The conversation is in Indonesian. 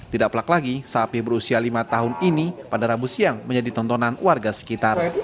tidak pelak lagi sapi berusia lima tahun ini pada rabu siang menjadi tontonan warga sekitar